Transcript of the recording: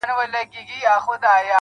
زما چي راسي کلکه غېږه راکړي راته~